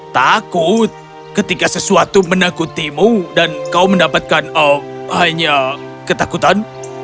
takut ketika sesuatu menakutimu dan kau mendapatkan hanya ketakutan